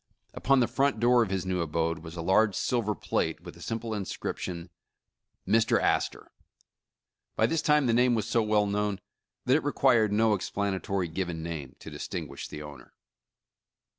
Upon the front door of this new abode v^^as a large silver plate, with the simple inscription, ''Mr. Astor." By this time the name was so well known that it required no ex planatory given name to distinguish the owner.